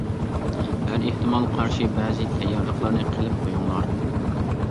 ھەر ئېھتىمالغا قارشى بەزى تەييارلىقلارنى قىلىپ قويۇڭلار.